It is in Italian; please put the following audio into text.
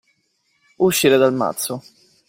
Uscire dal mazzo.